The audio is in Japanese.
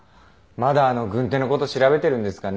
まだあの軍手の事調べてるんですかね？